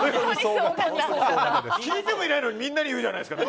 聞いてもいないのにみんなに言うじゃないですか。